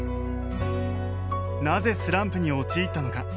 なぜスランプに陥ったのか？